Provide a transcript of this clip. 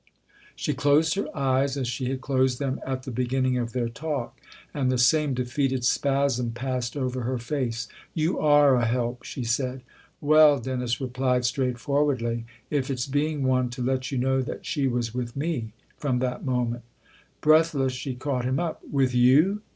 She closed her eyes as she had closed them at the beginning of their talk, and the same defeated spasm passed over her face. " You are a help," she said. "Well," Dennis replied straightforwardly, "if it's being one to let you know that she was with me from that moment Breathless she caught him up. " With you